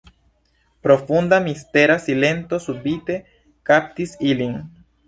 Profunda, mistera silento subite kaptis ilin.